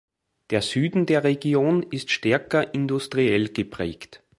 Der Süden der Region ist stärker industriell geprägt.